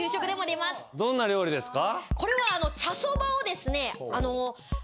どんな料理ですか？